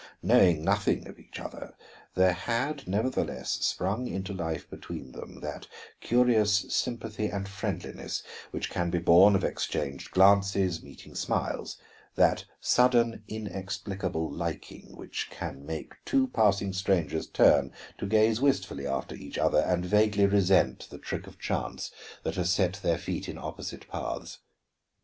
Knowing nothing of each other, there had nevertheless sprung into life between them that curious sympathy and friendliness which can be born of exchanged glances, meeting smiles; that sudden inexplicable liking which can make two passing strangers turn to gaze wistfully after each other and vaguely resent the trick of chance that has set their feet in opposite paths.